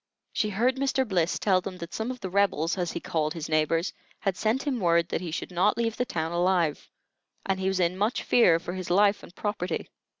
She heard Mr. Bliss tell them that some of the "Rebels," as he called his neighbors, had sent him word that he should not leave the town alive, and he was in much fear for his life and property.